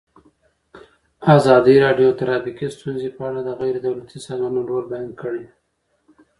ازادي راډیو د ټرافیکي ستونزې په اړه د غیر دولتي سازمانونو رول بیان کړی.